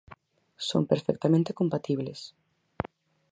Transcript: Son perfectamente compatibles.